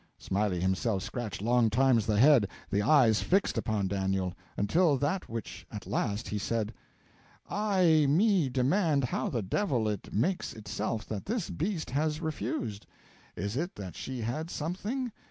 Smiley himself scratched longtimes the head, the eyes fixed upon Daniel, until that which at last he said: 'I me demand how the devil it makes itself that this beast has refused. Is it that she had something?